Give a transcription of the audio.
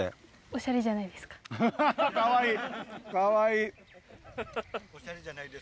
「おしゃれじゃないですか」。